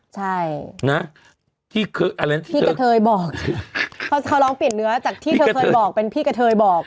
ใช่นะที่กระเทยบอกเพราะเขาร้องเปลี่ยนเนื้อจากที่เธอเคยบอกเป็นพี่กะเทยบอก